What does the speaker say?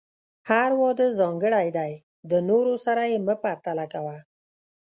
هر واده ځانګړی دی، د نورو سره یې مه پرتله کوه.